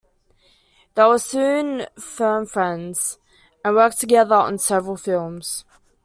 They were soon firm friends, and worked together on several films.